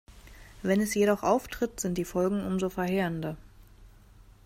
Wenn es jedoch auftritt, sind die Folgen umso verheerender.